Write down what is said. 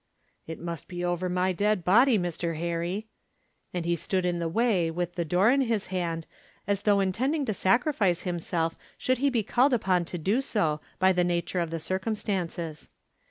"It must be over my dead body, Mr. Harry," and he stood in the way with the door in his hand, as though intending to sacrifice himself should he be called upon to do so by the nature of the circumstances.